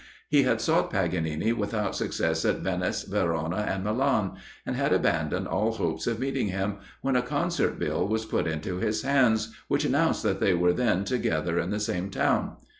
He had sought Paganini without success at Venice, Verona, and Milan, and had abandoned all hopes of meeting him, when a concert bill was put into his hands, which announced that they were then together in the same town.